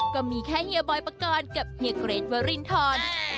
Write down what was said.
ก็มีแค่เฮียบอยปกรณ์กับเฮียเกรทวรินทร